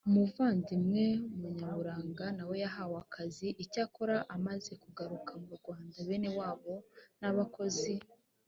umuvandimwe munyaburanga na we yahawe akazi icyakora amaze kugaruka mu rwanda bene wabo n abakozi